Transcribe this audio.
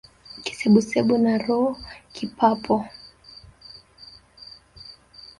Kisebusebu na roho kipapo